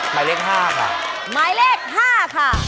หมายเลข๕ค่ะหมายเลข๕ค่ะ